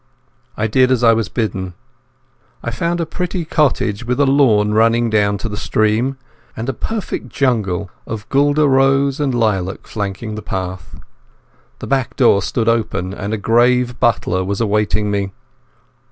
I did as I was bidden. I found a pretty cottage with a lawn running down to the stream, and a perfect jungle of guelder rose and lilac flanking the path. The back door stood open, and a grave butler was awaiting me.